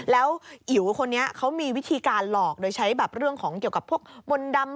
แล้วอิ๋วคนนี้เขามีวิธีการหลอกโดยใช้แบบเรื่องของเกี่ยวกับพวกมนต์ดำ